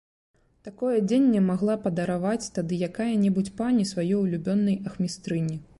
Такое адзенне магла падараваць тады якая-небудзь пані сваёй улюбёнай ахмістрыні.